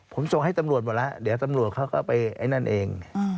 ผมส่งให้ตำรวจหมดแล้วเดี๋ยวตำรวจเขาก็ไปไอ้นั่นเอง